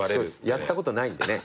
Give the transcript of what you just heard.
やったことないんでね。